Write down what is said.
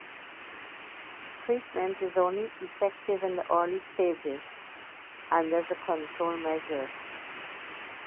Treatment is only effective in the early stages and as a control measure.